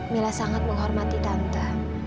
mila sangat menghormati tante